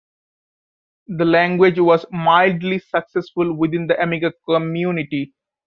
The language was mildly successful within the Amiga community.